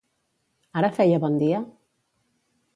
Ara feia bon dia?